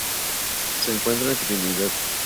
Se encuentra en Trinidad.